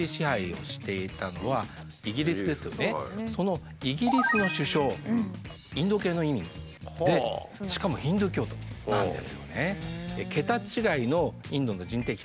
そのイギリスの首相インド系の移民でしかもヒンドゥー教徒なんですよね。